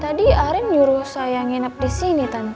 tadi arin nyuruh saya nginap disini tante